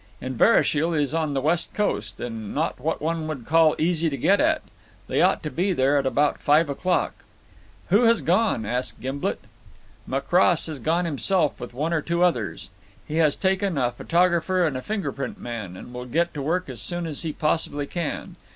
Inverashiel is on the West Coast, and not what one would call easy to get at. They ought to be there about five o'clock." "Who has gone?" asked Gimblet. "Macross has gone himself with one or two others. He has taken a photographer and a finger print man, and will get to work as soon as he possibly can.